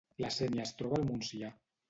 La Sénia es troba al Montsià